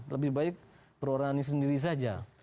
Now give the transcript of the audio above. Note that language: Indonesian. lebih baik berorani sendiri saja